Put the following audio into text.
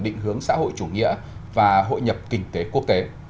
định hướng xã hội chủ nghĩa và hội nhập kinh tế quốc tế